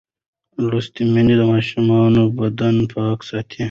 لوستې میندې د ماشوم بدن پاک ساتي.